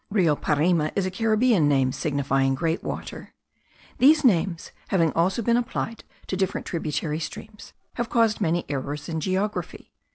Rio Parime is a Caribbean name, signifying Great Water. These names having also been applied to different tributary streams, have caused many errors in geography.